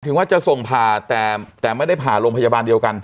ถึงว่าจะส่งผ่าแต่ไม่ได้ผ่าโรงพยาบาลเดียวกัน